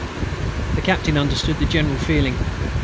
The Captain understood the general feeling.